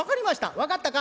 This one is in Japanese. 「分かったか？」。